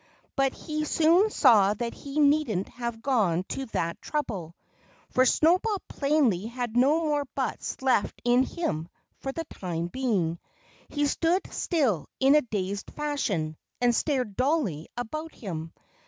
But he soon saw that he needn't have gone to that trouble. For Snowball plainly had no more butts left in him for the time being. He stood still in a dazed fashion and stared dully about him.